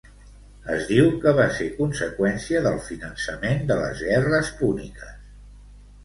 Es diu que va ser conseqüència del finançament de les Guerres Púniques.